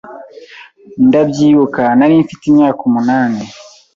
Ndabyibuka nari mfite imyaka umunani